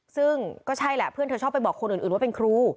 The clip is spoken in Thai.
ซึ่งก็ใช่แหละเพื่อนเธอชอบไปบอกคนอื่นว่าเป็นครู